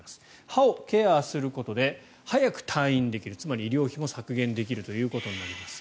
歯をケアすることで早く退院できるつまり医療費も削減できるということになります。